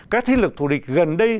các thế lực thù địch gần đây